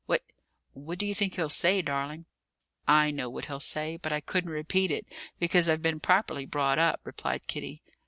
What what do you think he'll say, darling?" "I know what he'll say, but I couldn't repeat it, because I've been properly brought up," replied Kitty.